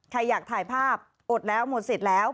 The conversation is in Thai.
ใครอยากถ่ายภาพอดแล้วหมดสิทธิ์แล้ว